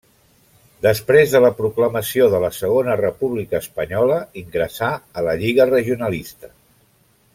Després de la proclamació de la Segona República Espanyola ingressà a la Lliga Regionalista.